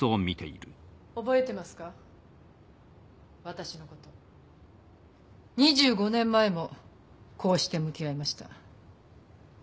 私のこと２５年前もこうして向き合いました